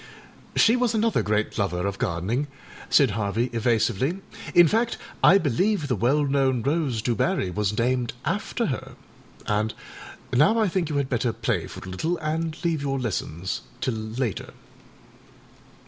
â âShe was another great lover of gardening,â said Harvey, evasively; âin fact, I believe the well known rose Du Barry was named after her, and now I think you had better play for a little and leave your lessons till later.